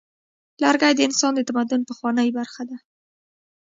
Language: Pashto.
لرګی د انسان د تمدن پخوانۍ برخه ده.